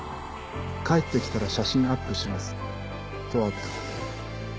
「帰って来たら写真アップします」とあった